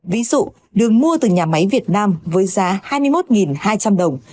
ví dụ đường mua từ nhà máy việt nam với giá hai mươi một hai trăm linh đồng